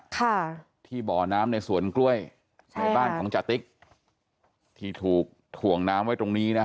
ค่ะที่บ่อน้ำในสวนกล้วยใช่ในบ้านของจติ๊กที่ถูกถ่วงน้ำไว้ตรงนี้นะฮะ